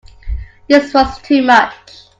This was too much.